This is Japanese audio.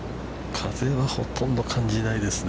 ◆風はほとんど感じないですね。